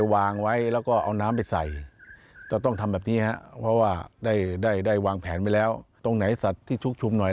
วางแผนไว้แล้วตรงไหนสัตว์ที่ชุกชุมหน่อย